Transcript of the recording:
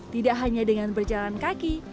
tidak hanya dengan berjalan kaki